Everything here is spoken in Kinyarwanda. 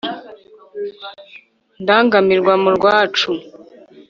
ndangamirwa mu rwacu